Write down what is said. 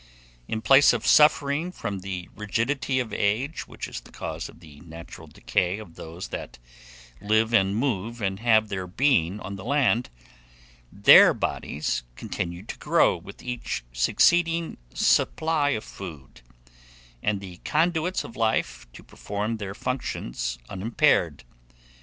In place of suffering from the rigidity of age, which is the cause of the natural decay of those that "live and move and have their being" on the land, their bodies continue to grow with each succeeding supply of food, and the conduits of life to perform their functions unimpaired.